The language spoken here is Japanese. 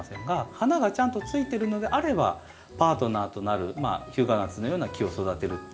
花がちゃんとついてるのであればパートナーとなるヒュウガナツのような木を育てるといいと思います。